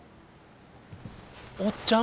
おっちゃん！